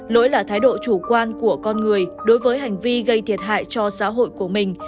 lỗi là thái độ chủ quan của con người đối với hành vi gây thiệt hại cho xã hội của mình